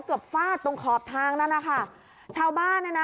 หัวเกือบฝาดตรงขอบทางแล้วนะคะชาวบ้านเนี้ยนะ